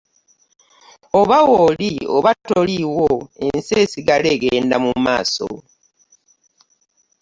Oba wooli oba toliiwo, ensi esigala egenda mu maaso.